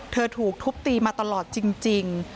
ถูกทุบตีมาตลอดจริง